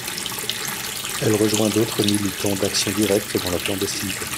Elle rejoint d'autres militants d'Action directe dans la clandestinité.